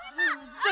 aduh udah doangin pak